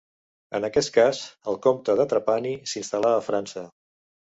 En aquest cas, el comte de Trapani s'instal·là a França.